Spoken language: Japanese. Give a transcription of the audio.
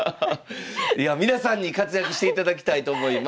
いや皆さんに活躍していただきたいと思います。